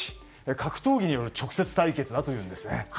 格闘技による直接対決だというんですね。